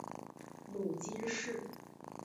母金氏。